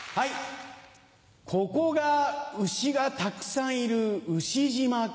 ここがウシがたくさんいるウシ島か。